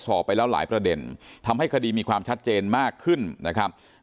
สอบไปแล้วหลายประเด็นทำให้คดีมีความชัดเจนมากขึ้นนะครับ